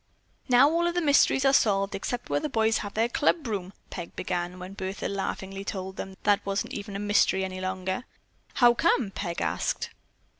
"Now all of the mysteries are solved except where the boys have their clubroom," Peg began, when Bertha laughingly told them that that even wasn't a mystery any longer. "How come?" Peg asked.